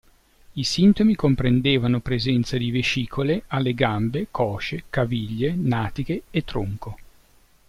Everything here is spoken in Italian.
I sintomi comprendevano presenza di vescicole alle gambe, cosce, caviglie, natiche e tronco.